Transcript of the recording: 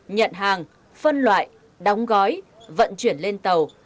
nhận hàng phân loại đóng gói vận chuyển lên tàu